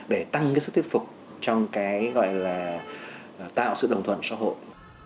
để tăng cái sức thuyết phục trong cái gọi là tạo sự đồng thuận xã hội